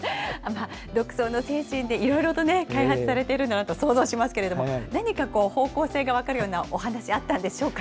独創の精神で、いろいろと開発されているんだろうなと想像しますけれども、何か方向性が分かるようなお話、あったんでしょうか。